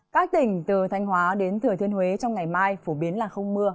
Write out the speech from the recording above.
các tỉnh từ thanh hóa đến thừa thiên huế trong ngày mai phổ biến là không mưa